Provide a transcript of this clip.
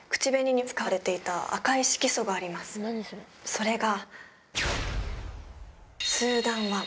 それが。